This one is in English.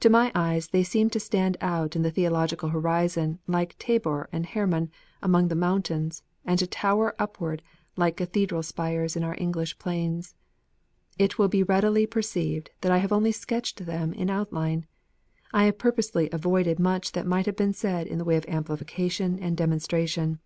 To my eyes they seem to stand out in the theological horizon like Tabor and Hermon among the mountains, and to tower upward like cathedral spires in our English plains. It will readily be per ceived that I have only sketched them in outline. I have purposely avoided much that might have been said in the way of amplification and demonstration.